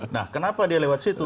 nah kenapa dia lewat situ